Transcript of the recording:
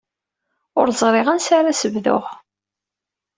Ur ẓriɣ ansi ara s-bduɣ.